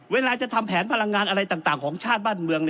เวลาจะทำแผนพลังงานอะไรต่างของชาติบ้านเมือง